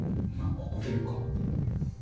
ここで言うか？